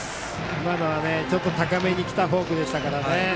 今のはちょっと高めに来たフォークでしたね。